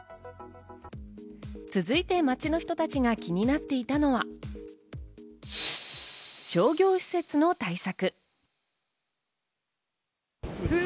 続いて街の人たちが気になっていたのは、商業施設の対策。